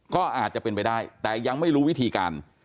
ก็อาจจะเป็นไปได้แต่ยังไม่รู้วิธีการ